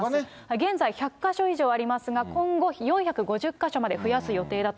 現在、１００か所以上ありますが、今後、４５０か所まで増やす予定